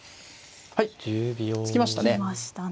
はい突きましたね。